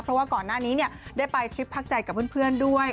เพราะว่าก่อนหน้านี้ได้ไปทริปพักใจกับเพื่อนด้วย